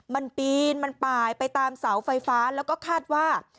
มันปีนมันป่ายไปตามเสาไฟฟ้าแล้วก็คาดว่า